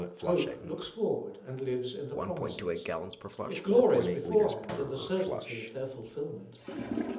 Hope looks forward and lives in the promises ; it glories beforehand in the certainty of their fulfilment.